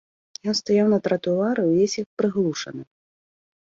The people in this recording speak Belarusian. Ён стаяў на тратуары ўвесь як прыглушаны.